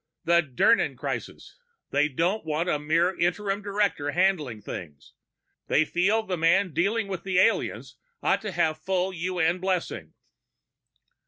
"The Dirnan crisis. They don't want a mere interim director handling things. They feel the man dealing with the aliens ought to have full UN blessing."